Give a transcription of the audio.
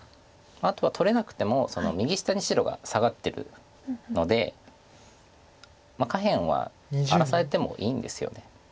あとは取れなくても右下に白がサガってるので下辺は荒らされてもいいんですよね。